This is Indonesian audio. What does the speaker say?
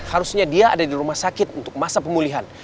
harusnya dia ada di rumah sakit untuk masa pemulihan